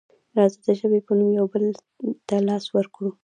راځه د ژبې په نوم یو بل ته لاس ورکړو.